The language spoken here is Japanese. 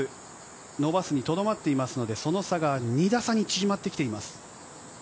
伸ばすにとどまっていますので、その差が２打差に縮まってきています。